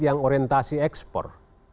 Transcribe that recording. yang orientasi ekspor